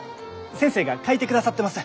先生が書いてくださってます！